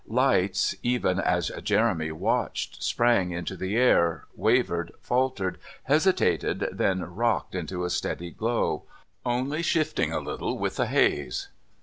Lights, even as Jeremy watched, sprang into the air, wavered, faltered, hesitated, then rocked into a steady glow, only shifting a little with the haze.